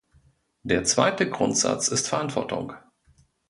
Der zweite Grundsatz ist Verantwortung.